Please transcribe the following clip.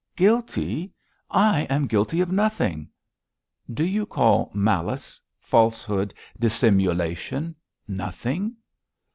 'Guilty? I am guilty of nothing.' 'Do you call malice, falsehood, dissimulation nothing?'